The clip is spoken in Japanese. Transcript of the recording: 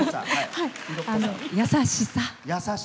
優しさ。